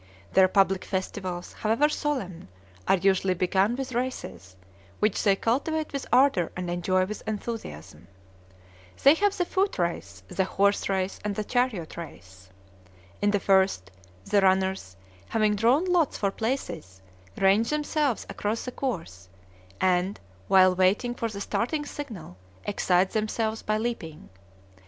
Their public festivals, however solemn, are usually begun with races, which they cultivate with ardor and enjoy with enthusiasm. They have the foot race, the horse race, and the chariot race. In the first, the runners, having drawn lots for places, range themselves across the course, and, while waiting for the starting signal, excite themselves by leaping.